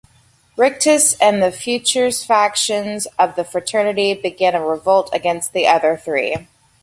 Rictus and Future's factions of the Fraternity begin a revolt against the other three.